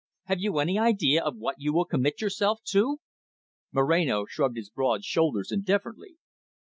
Have you any idea of what you will commit yourself to?" Moreno shrugged his broad shoulders indifferently.